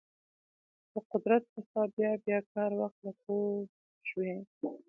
د قدرت څخه بیا بیا کار واخله پوه شوې!.